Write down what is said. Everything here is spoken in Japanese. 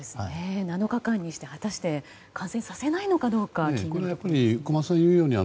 ７日間にして果たして感染させないのかどうか気になるところですよね。